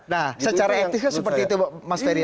nah secara etisnya seperti itu mas ferry